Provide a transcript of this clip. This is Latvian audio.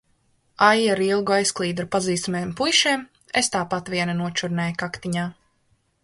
Aija ar Ilgu aizklīda ar pazīstamiem puišiem, es tāpat viena nočurnēju kaktiņā.